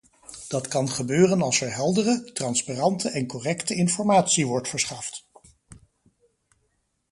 Dat kan gebeuren als er heldere, transparante en correcte informatie wordt verschaft.